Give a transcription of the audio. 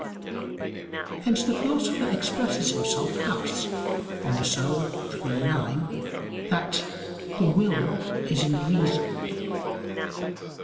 Hence the Philosopher expresses himself thus (De Anima iii, 9) that "the will is in the reason."